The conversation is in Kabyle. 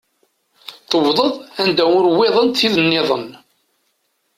Tewḍeḍ anda ur wwiḍent tid nniḍen.